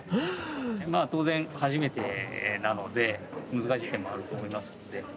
まあ、当然初めてなので難しい点もあると思いますので。